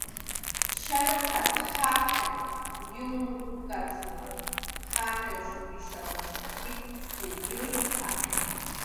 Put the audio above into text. "Shallqat"" jaqiq yunkat"" jaqiwsh ishaw kikip""tx yuyp""a "